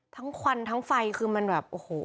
ควันทั้งไฟคือมันแบบโอ้โห